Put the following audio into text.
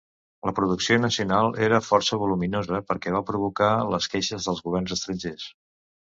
La producció nacional era força voluminosa, perquè va provocar les queixes de governs estrangers.